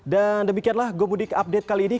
demikianlah gomudik update kali ini